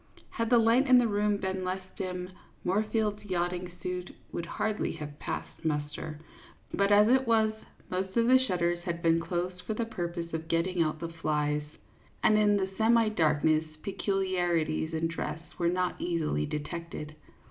Had the light in the room been less dim, Moor field's yatching suit would hardly have passed muster; but as it was, most of the shutters had been closed for the purpose of getting out the flies, and in the semi darkness peculiarities in dress were not easily detected.